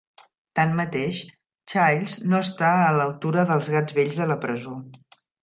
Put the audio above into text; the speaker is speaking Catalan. Tanmateix, Childs no estar a l'altura dels "gats vells" de la presó.